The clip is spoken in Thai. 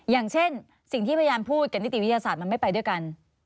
อย่างเช่นสิ่งที่พยายามพูดกับนิติวิทยาศาสตร์มันไม่ไปด้วยกัน